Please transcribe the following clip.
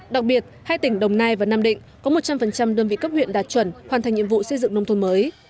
đặc biệt hai tỉnh đồng nai và nam định có một trăm linh đơn vị cấp huyện đạt chuẩn hoàn thành nhiệm vụ xây dựng nông thôn mới